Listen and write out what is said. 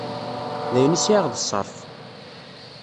D ayen i sɛiɣ d ṣṣerf.